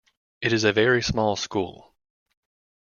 It is a very small school.